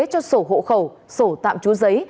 cho sổ hộ khẩu sổ tạm chú giấy